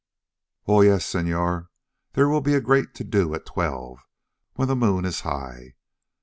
"Oh, yes, senor, there will be a great to do at twelve, when the moon is high.